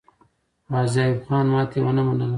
غازي ایوب خان ماتې ونه منله.